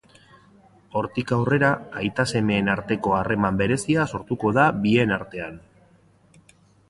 Hortik aurrera, aita-semeen arteko harreman berezia sortuko da bien artean.